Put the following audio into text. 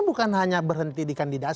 bukan hanya berhenti di kantoran ini